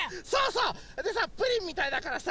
それでさプリンみたいだからさ。